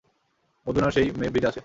অর্জুন আর সেই মেয়ে ব্রিজে আছে।